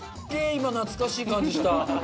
今、懐かしい感じした。